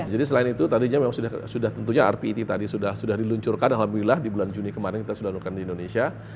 selain itu tadinya memang sudah tentunya rpt tadi sudah diluncurkan alhamdulillah di bulan juni kemarin kita sudah lakukan di indonesia